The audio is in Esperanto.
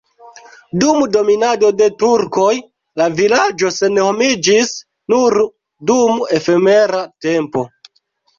Dum dominado de turkoj la vilaĝo senhomiĝis nur dum efemera tempo.